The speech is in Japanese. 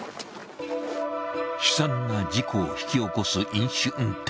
悲惨な事故を引き起こす飲酒運転